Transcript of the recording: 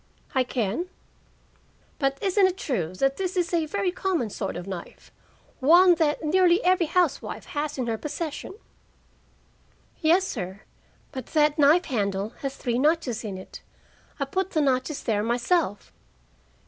"I can." "But isn't it true that this is a very common sort of knife? One that nearly every housewife has in her possession?" "Yes, sir. But that knife handle has three notches in it. I put the notches there myself."